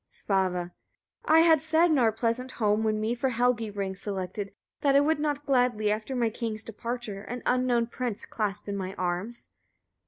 Svava. 42. I had said, in our pleasant home, when for me Helgi rings selected, that I would not gladly, after my king's departure, an unknown prince clasp in my arms.